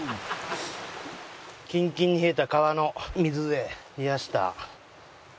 キンキンに冷えた川の水で冷やした。